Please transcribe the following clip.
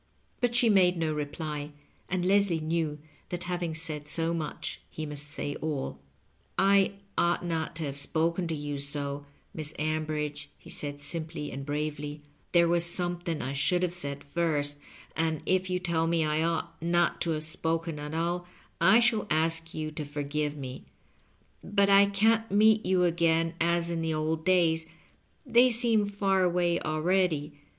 But she made no reply, and Leslie knew that having said so much he must say aU. " I ought not to have spoken to you so, Miss Am bridge," he said, simply and bravely ;" there was some thing I should have said first, and if you tell me I ought not to have spoken at all, I i^hall ask you to forgive me^ But I can't meet you again as in the old days — ^they seem far away already.